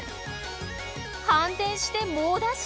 反転して猛ダッシュ！